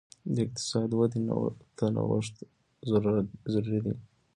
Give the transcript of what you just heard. د اقتصاد ودې ته نوښت ضروري دی.